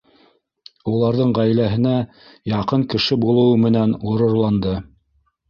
Уларҙың ғаиләһенә яҡын кеше булыуы менән ғорурланды.